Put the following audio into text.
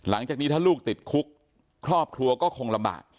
หลังจากนี้ถ้าลูกติดคุกครอบครัวก็คงลำบาก